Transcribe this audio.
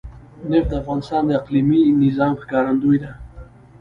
نفت د افغانستان د اقلیمي نظام ښکارندوی ده.